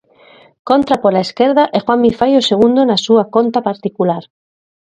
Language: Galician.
Contra pola esquerda e Juanmi fai o segundo na súa conta particular.